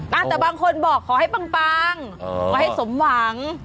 แต่บางคนบอกขอให้ปังขอให้สมหวัง